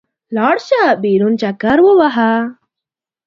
لاړ شه، بېرون چکر ووهه.